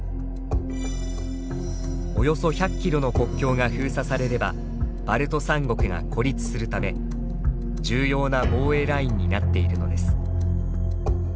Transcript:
およそ１００キロの国境が封鎖されればバルト３国が孤立するため重要な防衛ラインになっているのです。